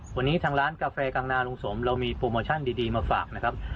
วันนี้ทางร้านกาแฟกลางนาลุงสมเรามีโปรโมชั่นดีมาฝากนะครับ